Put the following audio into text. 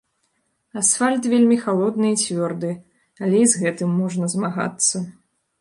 Асфальт вельмі халодны і цвёрды, але і з гэтым можна змагацца.